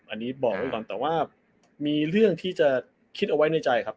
อันนี้บอกไว้ก่อนแต่ว่ามีเรื่องที่จะคิดเอาไว้ในใจครับ